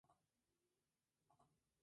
Es nativa de la región del Gran Caribe.